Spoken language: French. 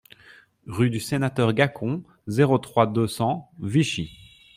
Rue du Sénateur Gacon, zéro trois, deux cents Vichy